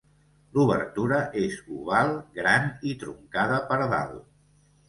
L'obertura és oval, gran i truncada per dalt.